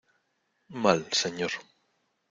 mal, señor.